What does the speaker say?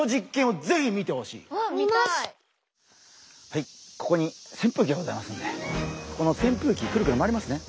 はいここに扇風機がございますんでこの扇風機クルクル回りますね。